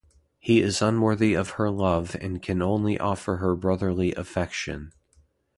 He is unworthy of her love and can only offer her brotherly affection.